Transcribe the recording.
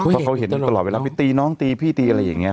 เพราะเขาเห็นตลอดเวลาไปตีน้องตีพี่ตีอะไรอย่างนี้